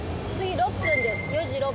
次６分です。